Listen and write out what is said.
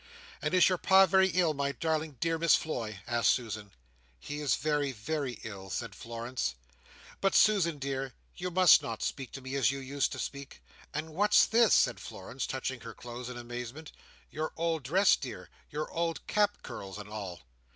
"And is your Pa very ill, my darling dear Miss Floy?" asked Susan. "He is very, very ill," said Florence. "But, Susan, dear, you must not speak to me as you used to speak. And what's this?" said Florence, touching her clothes, in amazement. "Your old dress, dear? Your old cap, curls, and all?"